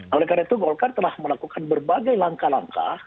oleh karena itu golkar telah melakukan berbagai langkah langkah